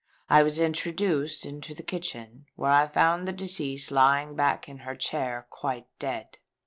I was introduced into the kitchen, where I found the deceased lying back in her chair quite dead.